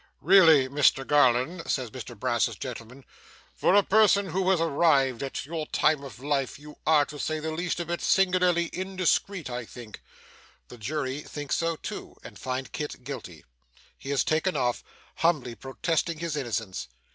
'Really Mr Garland,' says Mr Brass's gentleman, 'for a person who has arrived at your time of life, you are, to say the least of it, singularly indiscreet, I think.' The jury think so too, and find Kit guilty. He is taken off, humbly protesting his innocence.